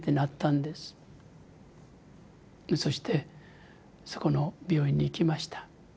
そしてそこの病院に行きました。